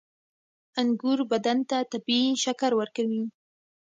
• انګور بدن ته طبیعي شکر ورکوي.